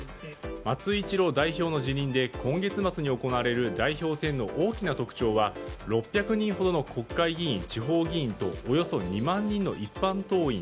松井一郎代表の辞任で今月末に行われる代表戦の大きな特徴は６００人ほどの国会議員・地方議員とおよそ２万人の一般党員。